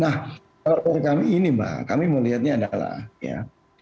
nah kalau kami ini mbak kami melihatnya adalah ya